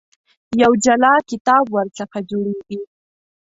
یو جلا کتاب ورڅخه جوړېږي.